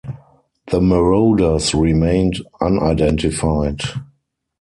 The marauders remained unidentified.